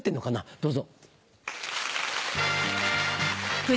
どうぞ。